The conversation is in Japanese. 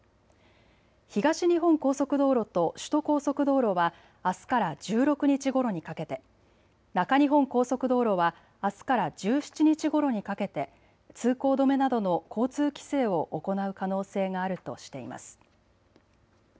東日本高速道路と首都高速道路はあすから１６日ごろにかけて中日本高速道路はあすから１７日ごろにかけて通行止めなどの交通規制を行う可能性があるとしています。